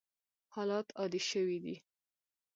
حالات عادي شوي دي.